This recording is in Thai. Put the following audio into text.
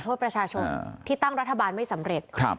โทษประชาชนที่ตั้งรัฐบาลไม่สำเร็จ